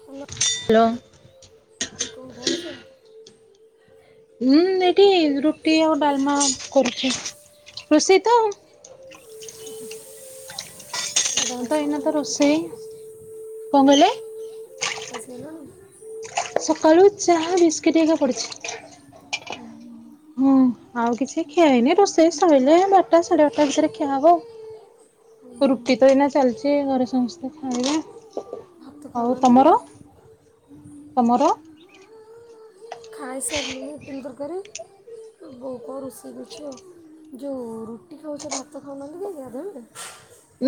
Hello. କଣ କରୁଚ? ମୁଁ ଏଠି ରୁଟି ଆଉ ଡାଲମା କରୁଚି। ରୋଷେଇ ତ ସାଧାରଣତଃ ଏଇନା ଖାଇସାରିଲଣି ତ ରୋଷେଇ। କଣ କହିଲେ? ଖାଇ ସାଇଲଣି? ସକାଳୁ ଚାହା ବିସ୍କିଟ୍ ହେରିକା ପଡ଼ିଚି। ହୁଁ। ଆଉ କିଛି ଖିଆ ହେଇନି। ରୋଷେଇ ସଇଲେ ବାରଟା ସାଢେ ବାରଟା ଭିତରେ ଖିଆ ହବ ଆଉ। ରୁଟି ତ ଏଇନା ଚାଲିଚି, ଘରେ ସମସ୍ତେ ଖାଇବେ। ଭାତ ଆଉ ଖାଉନାହାନ୍ତି କି ତମର ତମର? ଖାଇସାରିଲୁଣୁ ଇଟିଲି ତରକାରି ବୋଉ କଣ ରୋଷେଇ କରିଚି ଆଉ। ଯୋଉ ରୁଟି ଖାଉଛ ଭାତ ଖାଉନ କି ଗାଧୁଆ ବେଳେ।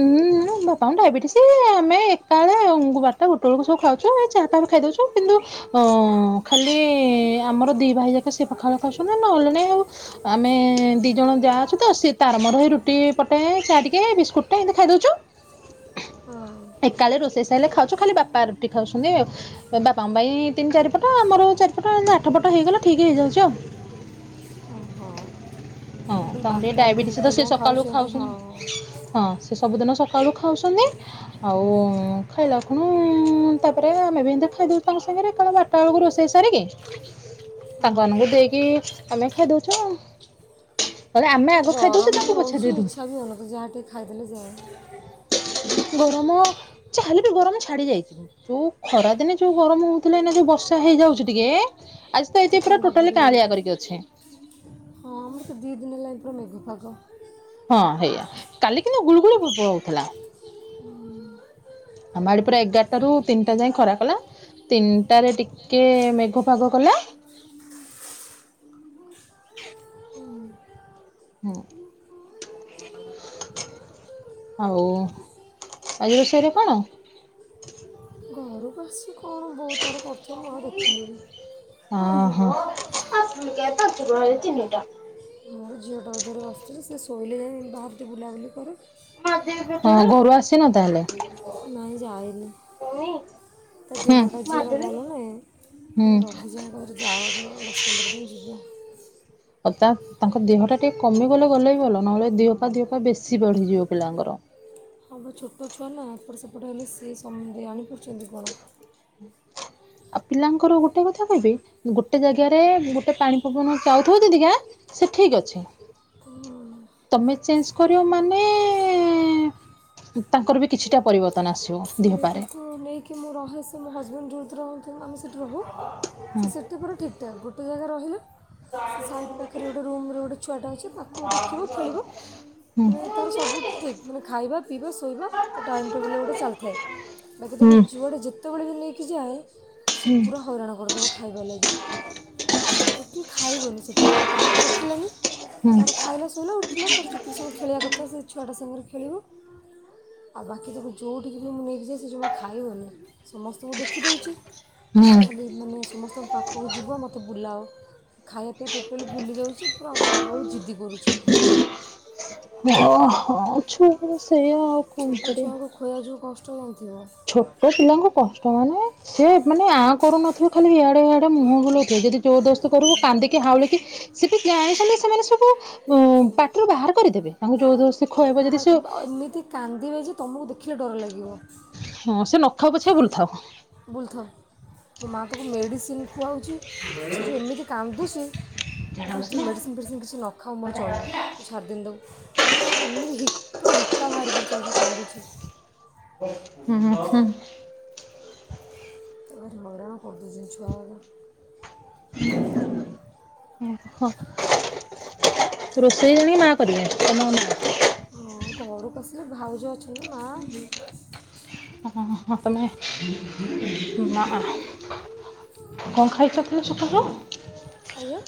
ଉୁଁ ଉଁ ବାପାଙ୍କୁ ଡାଇବେଟିସି ଆମେ ଏକା ବେଳେ ବାରଟା ଗୋଟେ ବେଳକୁ ସବୁ ଖାଉ ହୁଁ ଏଇ ଚା ଫା ଖାଇଦଉଚୁ କିନ୍ତୁ ଅଁ ଖାଲି ଆମର ଦି ଭାଇ ଯାକ ସେ ପଖାଳ ଖାଉଛନ୍ତି ନହେଲେ ନାଇ ଆଉ। ଆମେ ଦି ଜଣ ଯାଆ ଅଛୁ ତ ସି ତାରମୋର ହେଇ ରୁଟି ପଟେ ଚା ଟିକେ ବିସ୍କୁ ଟେ ଏମିତି ଖାଇଦଉଚୁ ହଁ ଏକାଳେ ରୋଷେଇ ସାରଲେ ଖାଉଛୁ ଖାଲି ବାପା ରୁଟି ଖାଉଛନ୍ତି ଆଉ। ବାପାଙ୍କ ପାଇଁ ତିନି ଚାରିପଟ ଆମର ଚାରିପଟ ଆଠ ପଟ ହେଇଗଲେ ଠିକ ହେଇଯାଉଚି ଆଉ। ଓ ହୋ। ହଁ ତାଙ୍କୁ ଟିକେ ଡାଇବେଟିସ୍ ତ ସେ ସକାଳୁ ହଁ ହଁ ଖାଉଛନ୍ତି। ହଁ ସେ ସବୁଦିନ ସକାଳୁ ଖାଉଛନ୍ତି। ଆଉ ଖାଇଲା ଖୁଣୁ ତାପରେ ଆମେ ବି ଏମିତି ଖାଇଦଉ ତାଙ୍କ ସାଙ୍ଗରେ। ଆପଣ ବାରଟା ବେଳକୁ ରୋଷେଇ ସାରିକି [unintelligible] ତାଙ୍କ ମାନଙ୍କୁ ଦେଇକି ଆମେ ଖାଇଦୋଉଚୁ ଆଉ। ଏ ରାମା ଗରମ ବି ହେଉଛି ଇଚ୍ଛା ବି ହେଉନ ଯାହା ଟିକେ ଖାଇଦେଲେ ଯାଏ। ଗରମ ଚାହେଲେ ବି ଗରମ ଛାଡି ଯାଇଛି ଭୋ ଯୋଉ ଖରାଦିନେ ଯୋଉ ଗରମ ହଉଥିଲେ ଏଇ ଯୋଉ ବର୍ଷା ହେଇଯାଉଛି ଟିକେ ଆଜି ତ ଟିକେ ଏଥି ପୁରା ଥଣ୍ଡା ଟୋଟାଲି କାଆଁଳିଆ ପଡ଼ିଯାଉଛି କରିକି ଅଛି। ହଁ ତ ଦି ଦିନ ହେଲା ଏପଟେ ମେଘ ପାଗ। ହଁ ହେଇଆ କାଲି କିନ୍ତୁ ଗୁଳୁଗୁଳୁ ଭୋଉତୁ ହୋଉଥିଲା। [inaudible] ଆମ ଆଡେ ପୁରା ଏଗାରଟା ରୁ ତିନିଟା ଯାଏ ଖରା କଲା। ତିନିଟାରେ ଟିକେ ମେଘ ପାଗ କଲା। ହୁଁ। ଆଉ ଆଜି ରୋଷେଇରେ କଣ? ଘରୁକୁ ଆସିଚି କଣ ବୋଉ ତାର କରୁଥୁବ ମୁଁ ଆଉ ଦେଖିଲିନି। ହଁ ହଁ। ମୋର ଝିଅଟାକୁ ଧରିକି ବସିଥିବି ସେ ଶୋଇଲେ ଯାଇଁ ବାହାରେ ଟିକେ ବୁଲାବୁଲି କରେ। ହଁ ଘରୁ ଆସିନ ତାହେଲେ? ନାଇଁ ଯାଇନି। ହୁଁ ତା ହୁଁ। ଦେହଟା ଝିଅର ଭଲ ନାହିଁ ରହିଯାଉ କହି [unintelligible] ପଦର ଦିନି ଯିବା। ତା ତାଙ୍କ ଦେହ ଟା ଟିକେ କମି ଗଲେ ଗଲେ ବି ଭଲ ନହେଲେ ଦିହ ପା ଦିହପା ବେଶୀ ବଢିଯିବ ପିଲାଙ୍କର ତାପରେ ଛୋଟ ଛୁଆ ନା ଏପଟ ସେପଟ ହେଲେ ସିଏ ସମଦି ଆଣିପାରୁଚନ୍ତି କଣ? ଆଉ ପିଲାଙ୍କର ଗୋଟେ କଥା କହିବି ଗୋଟେ ଜାଗାରେ ଗୋଟେ ପାଣି ପବନ ଚାଉଥିବ ଜଦିକା ସେ ଠିକ ଅଛି। ତମେ ଚେଞ୍ଜ କରିବ ମାନେ ତାଙ୍କର ବି କିଛିଟା ପରିବର୍ତ୍ତନ ଆସିବ। ସେ ଦେହ ପାରେ। ତାକୁ ନେଇକି ମୁଁ ରହେ ସେ ମୋ ହଜବେଣ୍ଡ ଯେଉଁଥିରେ ରୁହୁଥୁଲେ ଆମେ ସେଇଠି ରହୁ ହୁଁ ସେ ସେ ହେଟି ପୁରା ଠିକ ଠାକ ଗୋଟେ ଜାଗା ରହିଲେ ସେ ସାଇଡ଼୍ ପାଖରେ ଗୋଟେ ରୁମରେ ଗୋଟେ ଛୁଆଟେ ଅଛି ତାକୁ ଦେଖିବ ଖେଳିବ। ହୁଁ ମାନେ ତୋର ସବୁ ଠିକ୍ ମାନେ ଖାଇବା ପିଇବା ଶୋଇବା ତା ଟାଇମ୍ ଟେବୁଲ ଗୋଟେ ଚାଲିଥାଏ। ବାକି ତାକୁ ହୁଁ ଯୁଆଡେ ଯେତେବେଳେ ବି ନେଇକି ଯାଏ। ସେ ହୁଁ ପୁରା ହଇରାଣ କରିଦବ ଖାଇବା ଲାଗି। ରୁଟି ଖାଇବନି ସେଠି କଣ କାହାକୁ ଦେଖିଲାନି ହୁଁ। ତାର ଖାଇଲା ଶୋଇଲା ଉଠିଲା ତାର ଯେତିକି ସମୟ ଖେଳିବା କଥା ସେ ଛୁଆଟା ସାଙ୍ଗେରେ ଖେଳିବ। ଆଉ ବାକି ତାକୁ ଯୋଉଠିକି କି ନେଇକି ଯାଆ ସେ ଜମା ଖାଇବନି ସମସ୍ତଙ୍କୁ ଦେଖିଦଉଚି ଖାଲି ମାନେ ସମସ୍ତଙ୍କ ପାଖକୁ ଯିବ ମୋତେ ବୁଲାଅ। ଖାଇବା ପାଇଁ ଟୋଟାଲି ଭୁଲି ଯାଉଛି ପୁରା ବହୁତ ଜିଦି କରୁଚି। ଅହ ଛୁଆରା ସେଇଆ ଆଉ କଣ ଛୋଟ କରିବା। ଛୁଆଙ୍କୁ ଖୋଇବା ଯୋଉ କଷ୍ଟ ହଉଥିବ? ଛୋଟ ପିଲାଙ୍କୁ କଷ୍ଟ ମାନେ ସେ ମାନେ ଆଁ କରୁନଥିବେ ଖାଲି ଇଆଡ଼େ ଇଆଡ଼େ ମୁହଁ ବୁଲଉଥିବେ ଯଦି ଜୋର ଜବରଦସ୍ତ କରିବୁ କାନ୍ଦିକି ହାଉଳିକି ସେ ବି ଜାଣିଶୁଣି ସେମାନେ ସବୁ ଉ ପାଟିରୁ ବାହାର କରିଦେବେ ତାଙ୍କୁ ଯୋଉ ଯୋଉ ବାହାରକୁ ଏମିତି କାନ୍ଦିବେ ଯେ ତମକୁ ଦେଖିଲେ ଡର ଲାଗିବ। ହଁ ସେ ନଖାଉ ପଛିକା ବୁଲୁଥାଉ। ବୁଲୁଥାଉ ମୋ ମାଆ ତାକୁ ମେଡ଼ିସିନ ଖୁଆଉଛି ସେ ଯେଉଁ ଏମିତି କାନ୍ଦୁଛି ବିଲକୁଲ ମେଡ଼ିସିନ ଫେଡ଼ିସିନ୍ କିଛି ନ ଖାଉ ମୋର ଚଳିବ ତୁ ଛାଡ଼ିଦେନି ତାକୁ। ଏମିତି ହି ପୁରା ହିକା ବାହାରି ପଡୁଛିପା ସେ କାନ୍ଦୁଛି। ହୁଁ ହୁଁ ହୁଁ। ଭାରି ହଇରାଣ କରିଦେଉଛନ୍ତି ଛୁଆ ଗୁରା। ହଁ। [inaudible] ରୋଷେଇ ଜାଣିକି ମା କରିବେ ତମ ମା। ହଁ ଘରକୁ ଆସିଲେ ଭାଉଜ ଅଛନ୍ତି ମା ଅ ହଁ ତମେ ମା କଣ ଖାଇଛ କିଲ ସକାଳୁ? ଆଜ୍ଞା।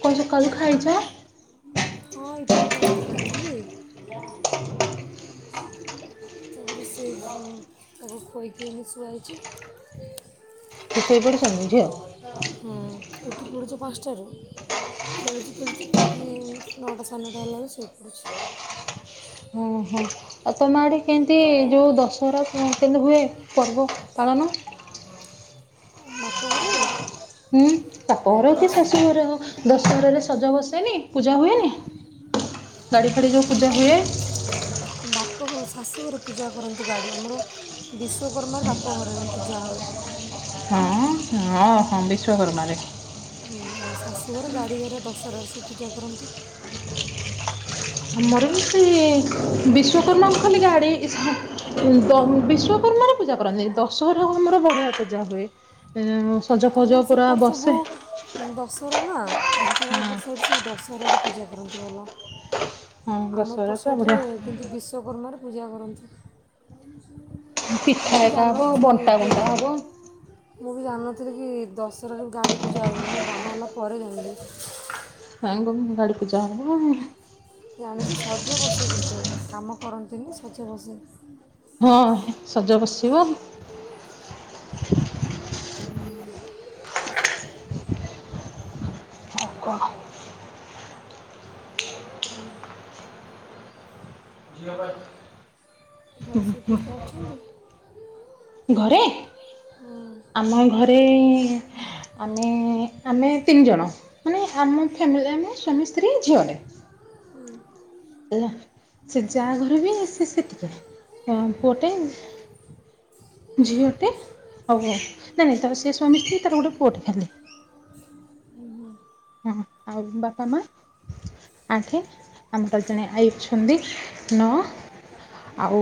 କଣ ସକାଳୁ ଖାଇଛ? ହଁ ଇଟିଲି ତକାରୀ ଖାଇଥିଲି। ତାପରେ ସେ ତାକୁ ଖୋଇକି ଏଇନେ ଶୁଆଇଛି। ସେ ଶୋଇପଡ଼ିଛନ୍ତି ଝିଅ? ହଁ ଉଠି ପଡ଼ୁଚି ପାଞ୍ଚଟାରୁ। ଖେଳୁଚି ଖେଳୁଚି ଠିକି ନଅଟା ସାଢ଼େନଅଟା ହେଲାବେଳକୁ ଶୋଇପଡ଼ୁଛି। ଓହୋ ଆଉ ତମଆଡ଼େ କେମିତି ଯଉ ଦଶହରା କେମିତି ହୁଏ ପର୍ବ ପାଳନ? ବାପଘର ଆଡେ। ହୁଁ ବାପଘର ହଉକି ଶାଶୁଘର ଦଶହରାରେ ସଜ ବସେନି? ପୂଜା ହୁଏନି ଗାଡି ଫାଡି ଯୋଉ ପୂଜା ହୁଏ? [unintelligible] ଆମ ବାପ ଘ ଶାଶୁଘରେ ପୂଜା କରନ୍ତି ଗାଡ଼ି। ଆମର ବିଶ୍ୱଵକର୍ମାରେ ବାପ ଘରେ ପୂଜା ହୁଏ। ହଁ ହଁ ହଁ ବିଶ୍ୱକର୍ମାରେ। ହଁ ଆଉ ଶାଶୁଘରେ ଗାଡ଼ିଘରେ ଦଶହରାରେ ସବୁ ପୂଜା କରନ୍ତି। ଆମର ବି ସେଇ ବିଶ୍ୱକର୍ମା କୁ ଖାଲି ଗାଡି ଦ ବିଶ୍ଵକର୍ମାରେ ପୂଜା କରନ୍ତିନି ଦଶହରାକୁ ଆମର ବଢ଼ିଆ ପୂଜା ହୁଏ। ଉଁ ତମ ସେପଟ ସବୁ ଦଶ ଦଶହରା ନା ହଁ। ଢେଙ୍କାନାଳପଟ ସାଇଟ୍ ସବୁ ଦଶହରାରେ ପୂଜା କରନ୍ତି ଭଲ। ହଁ ଆମ ଦଶହରା ପୁରା ଏପଟସାଇଟ୍ ବଢିଆ ରେ କିନ୍ତୁ ବିଶ୍ଵକର୍ମାରେ ପୂଜା କରନ୍ତି। ପିଠା ମୁଁ ବି ଏକା ହବ ଜାଣନଥିଲି ବଣ୍ଟା ଏଟେ ବଣ୍ଟା ହବ। ମୁଁ ବି ଜାଣିନଥିଲି କି ଦଶହରାରେ ଗାଡ଼ିପୂଜା ହୁଏ ବୋଲି ମୁଁ ବାହା ହେଲା ପରେ ଜାଣିଲି। [unintelligible] ଗାଡ଼ି ପୂଜା ହବ। ଜାଣିଛି ସଜ ବସେ କିନ୍ତୁ କାମ କରନ୍ତିନି ସଜ ବସେ। ହଁ ସଜ ବସିବ। କଣ ଘରେ ସବୁ କିଏ କିଏ ଅଛ? ଘରେ ହଁ। ଆମ ଏ ଘରେ ଆମେ ଆମେ ତିନି ଜଣ ମାନେ ଆମ ଫ୍ୟାମିଲୀ ଆମେ ସ୍ୱାମୀ ସ୍ତ୍ରୀ ଝିଅଟେ। ଉଁ। ହେଲା ସେ ଯା ଘରେ ବି ସିଏ ସେତିକି ପୁଅଟେ ଆଉ। ଝିଅଟି ଅଭିଆ ନାଇଁ ନାଇଁ ତାର ସେ ସ୍ୱାମୀ ସ୍ତ୍ରୀ ତାର ଗୋଟେ ପୁଅଟେ ଖାଲି। ଉଁ ହୁ। ଉଁ ହୁ ଆଉ ବାପା ମା? ଆଣ୍ଟି ଅଙ୍କଲ ଜଣେ ଆଇ ଅଛନ୍ତି ନଅ ଆଉ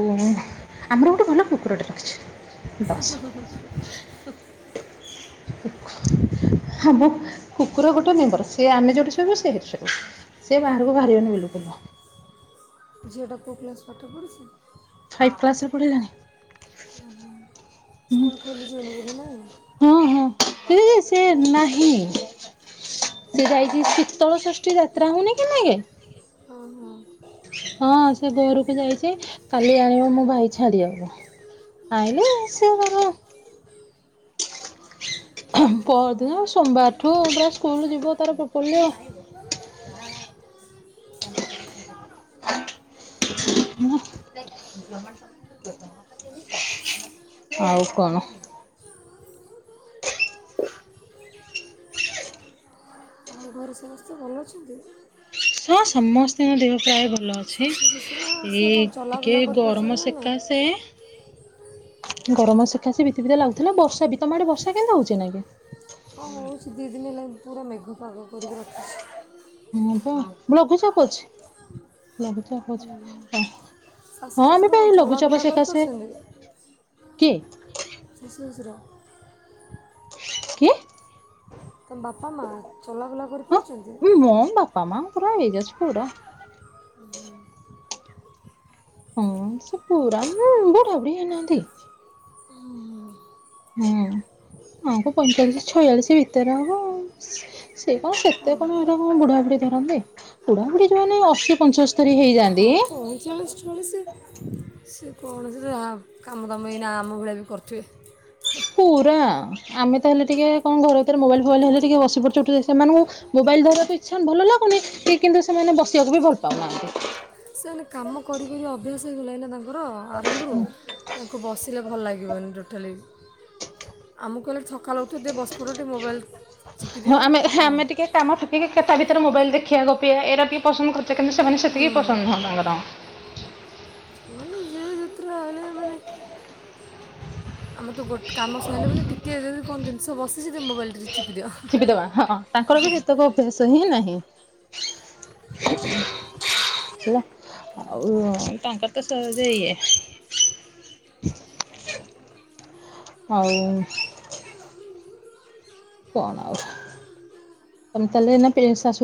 ଆମେ ଗୋଟେ ଭଲ କୁକୁରଟେ ରଖିଛୁ। ଦଶ [unintelligible] ଆମ କୁକୁର ଗୋଟେ ମେମ୍ବର। ସେ ଆମେ ଯୋଉଠି ଶୋଇବୁ ସେ ସେଇଠି ଶୋଇବ। ସେ ବାହାରକୁ ବାହାରିବନି ବିଲକୁଲ। ଝିଅଟା କୋଉ ପ୍ଲାସ୍ ପାଠ ପଢ଼ୁଛି? ଫାଇଭ୍ କ୍ଲାସ ରେ ପଢ଼ିଲାଣି। ଓହୋ ସ୍କୁଲ ଖୋଲୁଚି ଏବେ ବୋଧେ ନାଇଁକି? ହୁଁ ହୁଁ ହେଇଜେ ସେ ନାହିଁ। ସିଏ ଯାଇଛି ଶୀତଳ ଷଷ୍ଠୀ ଯାତ୍ରା ହଉନି କେ ନାଗେ। ହଁ ହଁ। ହଁ, ସେ ବୋରକୁ ଯାଇଛି କାଲି ଆଣିବ ମୋ ଭାଇ ଛାଡ଼ିବାକୁ। ଆଇଲେ ସେ ତାର ପଅରଦିନ ସୋମବାର ଠୁ ପୁରା ସ୍କୁଲ ଯିବ ତାର ପୋପର୍ଲି ଆଉ। [unintelligible] ଆଉ କଣ? ଆ ଘରେ ସମସ୍ତେ ଭଲ ଅଛନ୍ତି? ହଁ ସମସ୍ତଙ୍କ ଦେହ ପ୍ରାୟ ଭଲ। ଛି ଶାଶୁ ଶ୍ୱଶୁର ସେ କ'ଣ ଏଇ ଟିକେ ଚଲାବୁଲା କରିପାରୁଛନ୍ତି ଗରମ ନା ନାଇଁ ସେକା ସେ ଗରମ ସକାଶେ ବିତିବିତା ଲାଗୁଥିଲା ବର୍ଷା ବି ତମ ଆଡେ ବର୍ଷା କେମିତା ହଉଛି ଏନାକେ? ହ ହଉଛି ଦିଦିନ ହେଲା ପୁରା ମେଘୁ ପାଗ କରିକି ରଖୁଛି। ହଁ ବା ଲଘୁଚାପ ଅଛି ଲଘୁଚାପ ଅଛି। ଶାଶୁ ହଁ, ଆମେ ଶ୍ୱଶୁର ପା କ'ଣ ଏଇ ଲଘୁଚାପ ଚଲାବୁଲା ସେକାଶେ, କରିପାରୁଛନ୍ତି କିଏ? ଶାଶୁ ଶଶୁର। କିଏ? ତମ ବାପା ମା ଚଲାବୁଲା କରିପାରୁଚନ୍ତି? ପା ମା ପୁରା ଇଯଶପୁର [unintelligible] ହଁ ସିଏ ପୁରା ବି ବୁଢ଼ା ବୁଢ଼ୀ ହେଇନାହାନ୍ତି। ହୁଁ, ଆ ଙ୍କୁ ପଇଁଚାଳିଶ ଛୟାଳିଶ ଭିତରେ ହବ ଆଉ। ସେ କଣ ସେତେ କଣ ଏର ବୁଢ଼ା ବୁଢ଼ୀ ଧରନ୍ତି ବୁଢାବୁଢୀ ଯୋଉମାନେ ଏଇ ଅଶୀ ପଞ୍ଚସ ହଁ ପାଇଂଚାଳିଶି ଛାୟାଳିସି ସେ କଣ ଯେ ରା କାମ ଦାମ ବି ଏଇନା ଆମ ଭଳିଆ ବି କରୁଥିବେ। ପୁରା ଆମେ ତ ହେଲେ ଟିକିେ କଣ ଘର ଭିତରେ ମୋବାଇଲ୍ ଫୋବାଇଲ୍ ହେଲେ ଟିକେ ବସି ପଡୁଚେ ଉଠୂଚେ ସେମାନଙ୍କୁ ମୋବାଇଲ ଧରିବାକୁ ଇଚ୍ଛା ହଉନି ଭଲ ଲାଗୁନି କି କିନ୍ତୁ ସେମାନେ ବସିବାକୁ ବି ଭଲ ପାଉନାହାଁନ୍ତି। ସେମାନେ କାମ କରିକରି ଅଭ୍ୟାସ ହେଇଗଲାଣି। ନା ତାଙ୍କର ଆରମ୍ଭରୁ ତାଙ୍କୁ ବସିଲେ ଭଲ ଲାଗିବନି ଟୋଟାଲେବି। ଆମକୁ ହେଲେ ସକାଳ ଉଠି ଟିକେ ବସି ପଡିବ ଟିକେ ମୋବାଇଲ୍ ହଁ, ଚିପିଦିଅ ଆମେ ହଁ ଆମେ ଟିକେ କାମ କିିକେ କେ ତା ଭିତରେ ମୋବାଇଲ୍ ଦେଖିବା ଗପିିବା ଏରା ଟିକେ ପସନ୍ଦ କରୁଚେ କିନ୍ତୁ, ସେମାନେ ସେତିକି ପସନ୍ଦ ନୁହଁ ତାଙ୍କର। ମାନେ ଜିଏ ଯେ ରହିଲେ ବି ଆମେ ତ ଗୋ କାମ ସଇଲା ମାନେ ଟିକେଜଦି କଣ ଜିନିଷ ବସିଛି ତେବେ ମୋବାଇଲ୍ ଟିକେ ଦେ ଚିପିଦବା। ହଁ, ତାଙ୍କର ବି ସେତେକ ଶେଷ ହିଁ ନାହିଁ। ହେଲା ଆଉ ତାଙ୍କରତ ସହଜେ ଇଏ। [inaudible] ଆଉ। କଣଆଉ ତମେ ତାହେଲେ ଏଇନା ପ୍ରି ଶାଶୁ।